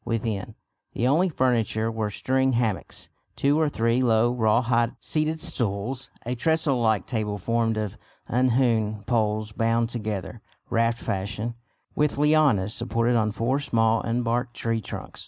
Within, the only furniture were string hammocks, two or three low raw hide seated stools, a trestle like table formed of unhewn poles bound together, raft fashion, with lianas, supported on four small unbarked tree trunks.